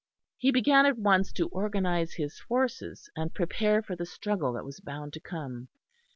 He began at once to organise his forces and prepare for the struggle that was bound to come.